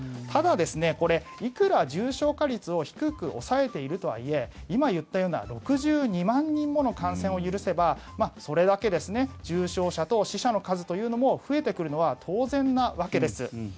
ただ、いくら重症化率を低く抑えているとはいえ今、言ったような６２万人の感染を許せばそれだけ重症者と死者の数というのも増えてくるのは当然なわけです。